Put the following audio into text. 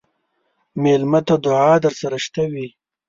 مېلمه ته دعا درسره شته وي.